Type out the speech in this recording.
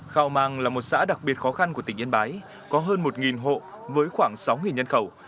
khao mang là một xã đặc biệt khó khăn của tỉnh yên bái có hơn một hộ với khoảng sáu nhân khẩu